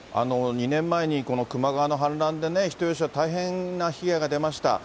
２年前に球磨川の氾濫で、人吉は大変な被害が出ました。